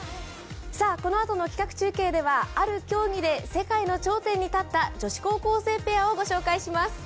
このあとの企画中継ではある競技で世界の頂点に立った女子高校生ペアをご紹介します。